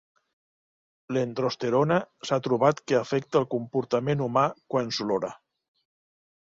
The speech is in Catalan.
L'androsterona s'ha trobat que afecta el comportament humà quan s'olora.